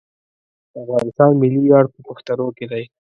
د افغانستان ملي ویاړ په پښتنو کې دی.